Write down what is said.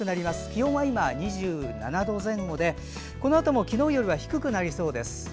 気温は今２７度前後でこのあとも昨日よりは低くなりそうです。